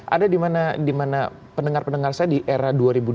ada dimana pendengar pendengar saya di era dua ribu dua dua ribu tiga